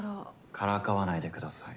からかわないでください。